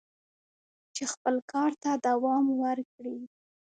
چې خپل کار ته دوام ورکړي."